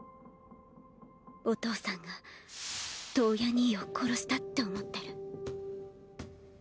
お父さんが燈矢兄を殺したって思ってる。